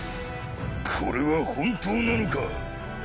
「これは本当なのか？」